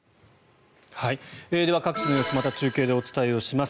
では、各地の様子また中継でお伝えをします。